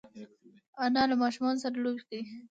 انا له ماشومانو سره لوبې کوي